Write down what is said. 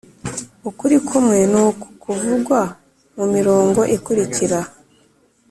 Ukuri kumwe ni uku kuvugwa mu mirongo ikurikira.: